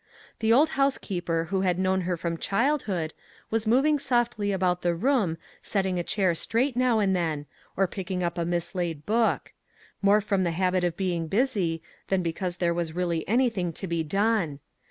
The old housekeeper who had known her from childhood, was moving softly about the room setting a chair straight now and then, or picking up a mislaid book; more from the habit of being busy than because there was really anything to be done.